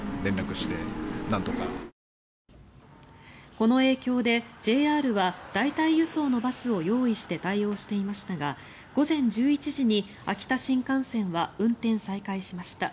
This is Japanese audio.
この影響でＪＲは代替輸送のバスを用意して対応していましたが午前１１時に秋田新幹線は運転再開しました。